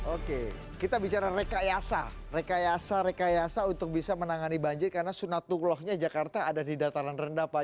oke kita bicara rekayasa rekayasa rekayasa untuk bisa menangani banjir karena sunatullahnya jakarta ada di dataran rendah pak